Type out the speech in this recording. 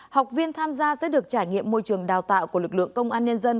học viên tham gia sẽ được trải nghiệm môi trường đào tạo của lực lượng công an nhân dân